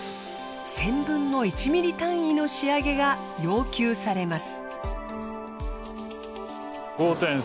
１０００分の１ｍｍ単位の仕上げが要求されます。